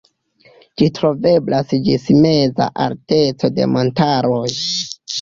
Ĝi troveblas ĝis meza alteco de montaroj.